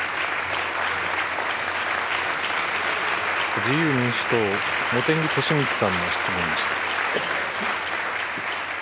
自由民主党、茂木敏充さんの質問でした。